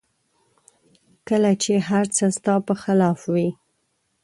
کله چې هر څه ستا په خلاف وي